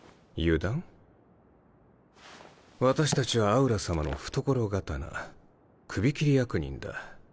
私たちはアウラ様の懐刀首切り役人だ。